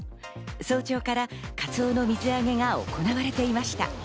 早朝からカツオの水揚げが行われていました。